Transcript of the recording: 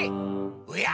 おや！